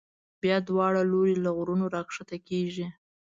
بیا دواړه لوري له غرونو را کښته کېږي.